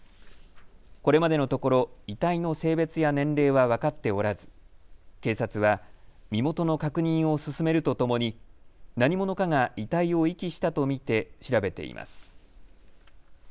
これまでのところ遺体の性別や年齢は分かっておらず警察は身元の確認を進めるとともに何者かが遺体を遺棄したと見て調べています。